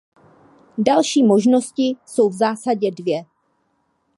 Další možnosti jsou v zásadě dvě.